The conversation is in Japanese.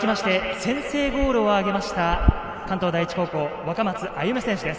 先制ゴールを挙げた関東第一高校・若松歩選手です。